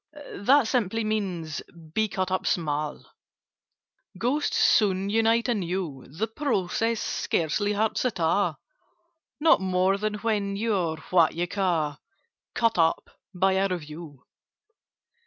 "That simply means 'be cut up small': Ghosts soon unite anew. The process scarcely hurts at all— Not more than when you 're what you call 'Cut up' by a Review.